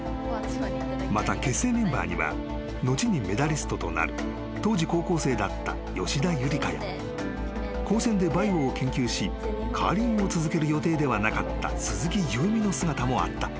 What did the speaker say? ［また結成メンバーには後にメダリストとなる当時高校生だった吉田夕梨花や高専でバイオを研究しカーリングを続ける予定ではなかった鈴木夕湖の姿もあった。